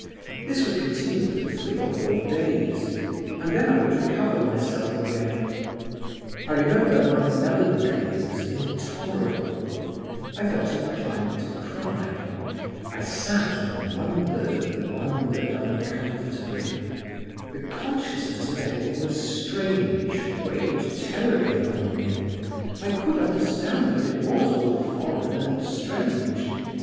This would continue for three or four days, and then I would recover myself again. I remember my melancholy was intolerable; I felt inclined to cry; I sat and wondered and wondered uncomfortably; the consciousness that everything was strange weighed terribly upon me; I could understand that it was all foreign and strange.